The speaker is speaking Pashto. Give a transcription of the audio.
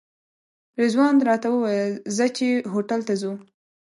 رضوان راته وویل ځه چې هوټل ته ځو.